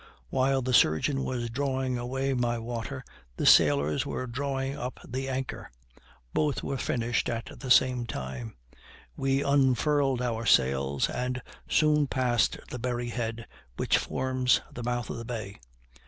While the surgeon was drawing away my water the sailors were drawing up the anchor; both were finished at the same time; we unfurled our sails and soon passed the Berry head, which forms the mouth of the bay.